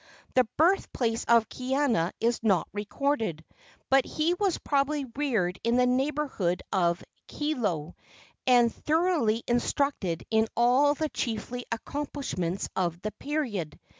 The birthplace of Kaiana is not recorded, but he was probably reared in the neighborhood of Hilo, and thoroughly instructed in all the chiefly accomplishments of the period.